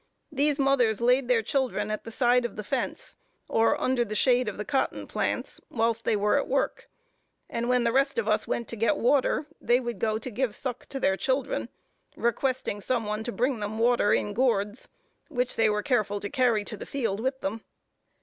These mothers laid their children at the side of the fence, or under the shade of the cotton plants, whilst they were at work; and when the rest of us went to get water, they would go to give suck to their children, requesting some one to bring them water in gourds, which they were careful to carry to the field with them.